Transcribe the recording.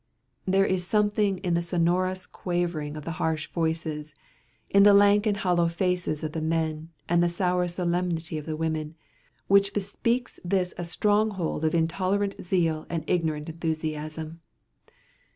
There is something in the sonorous quavering of the harsh voices, in the lank and hollow faces of the men, and the sour solemnity of the women, which bespeaks this a strong hold of intolerant zeal and ignorant enthusiasm.